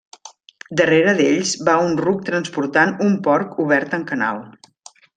Darrere d'ells va un ruc transportant un porc obert en canal.